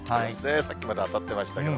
さっきまで当たってましたけど。